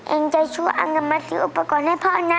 เอ็งจะช่วยอังกฤมัติอุปกรณ์ให้พ่อนะ